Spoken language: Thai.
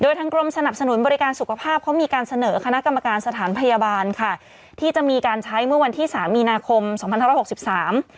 ทางกรมสนับสนุนบริการสุขภาพเขามีการเสนอคณะกรรมการสถานพยาบาลค่ะที่จะมีการใช้เมื่อวันที่สามมีนาคมสองพันห้าร้อยหกสิบสาม